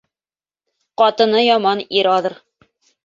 Ҡатыны яман ир аҙыр.